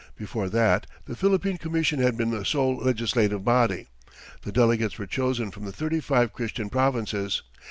Before that the Philippine Commission had been the sole legislative body. The delegates were chosen from the thirty five Christian provinces.